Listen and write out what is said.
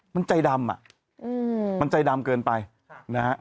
มันใจดำอ่ะมันใจดำเกินไปนะฮะ